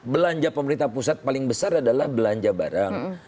belanja pemerintah pusat paling besar adalah belanja barang